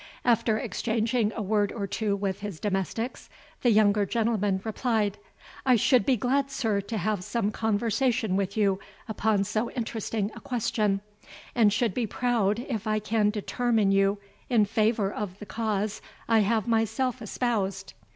After exchanging a word or two with his domestics, the younger gentleman replied, "I should be glad, sir, to have some conversation with you upon so interesting a question, and should be proud if I can determine you in favour of the cause I have myself espoused.